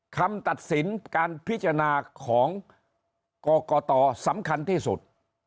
คำตัดสินการพิจารณาของกรกตสำคัญที่สุด